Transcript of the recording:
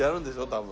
多分。